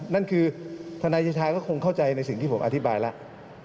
นั่นคือทนายเดชาก็คงเข้าใจในสิ่งที่ผมอธิบายแล้ว